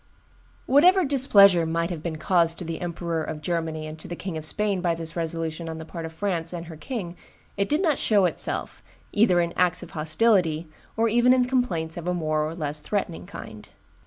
Whatever displeasure must have been caused to the Emperor of Germany and to the King of Spain by this resolution on the part of France and her king, it did not show itself, either in acts of hostility or even in complaints of a more or less threatening kind.